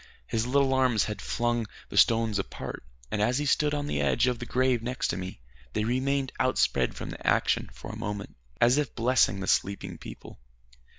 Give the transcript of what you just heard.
His little arms had flung the stones apart, and as he stood on the edge of the grave next to me, they remained outspread from the action for a moment, as if blessing the sleeping people.